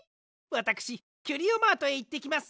わたくしキュリオマートへいってきます。